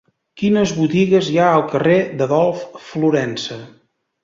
Quines botigues hi ha al carrer d'Adolf Florensa?